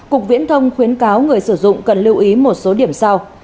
cục viễn thông khuyến cáo người sử dụng cần lưu ý một số điểm sau